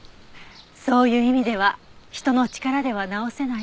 そういう意味では人の力では治せない。